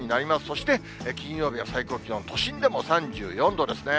そして、金曜日が最高気温、都心でも３４度ですね。